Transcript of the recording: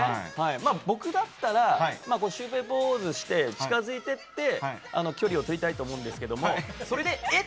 僕だったらシュウペイポーズして近づいていって距離を取りたいと思うんですけど、それでえっ？